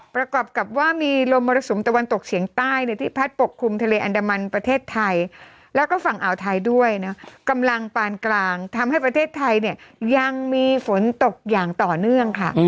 ประกอบกับว่ามีลมมรสุมตะวันตกเฉียงใต้ที่พัดปกคลุมทะเลอันดามันประเทศไทยแล้วก็ฝั่งอ่าวไทยด้วยนะกำลังปานกลางทำให้ประเทศไทยเนี่ยยังมีฝนตกอย่างต่อเนื่องค่ะ